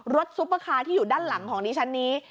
ซุปเปอร์คาร์ที่อยู่ด้านหลังของดิฉันนี้